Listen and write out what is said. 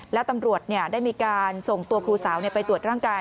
และตำรวจได้มีการส่งตัวครูสาวไปตรวจร่างกาย